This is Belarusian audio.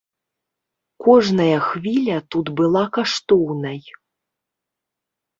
Кожная хвіля тут была каштоўнай.